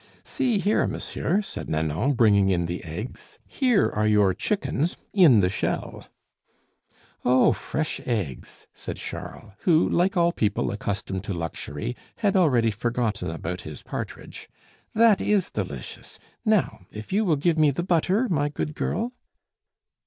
"See here, monsieur," said Nanon, bringing in the eggs, "here are your chickens, in the shell." "Oh! fresh eggs," said Charles, who, like all people accustomed to luxury, had already forgotten about his partridge, "that is delicious: now, if you will give me the butter, my good girl."